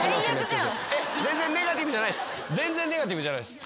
全然ネガティブじゃないです。